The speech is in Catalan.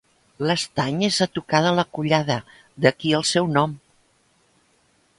L'Estany és a tocar de la Collada, d'aquí el seu nom.